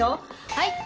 はい。